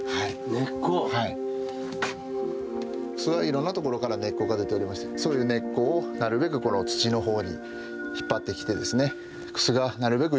根っこ！クスはいろんなところから根っこが出ておりましてそういう根っこをなるべく土のほうに引っ張ってきてですねクスがなるべく